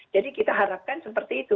jadi kita harapkan seperti itu